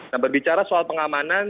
nah berbicara soal pengamanan